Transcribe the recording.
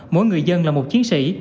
mỗi người dân là một chiến sĩ